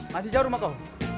masih jauh rumah kau